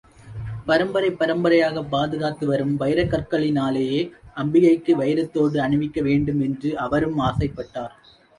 பரம்பரை பரம்பரையாகப் பாதுகாத்து வரும் வைரக் கற்களினாலேயே அம்பிகைக்கு வைரத்தோடு அணிவிக்க வேண்டும் என்று அவரும் ஆசைப்பட்டார்.